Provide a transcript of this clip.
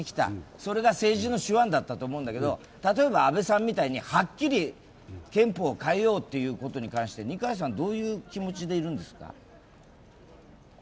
それが政治の手腕だったと思うんだけど、例えば安倍さんみたいにはっきり憲法を変えようということに対して二階さんはどういう気持ちでいるんですか？